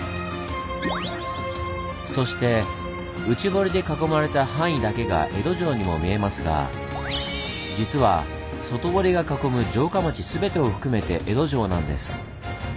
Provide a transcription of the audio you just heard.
そして内堀で囲まれた範囲だけが江戸城にも見えますが実は外堀が囲む城下町全てを含めて江戸城なんです。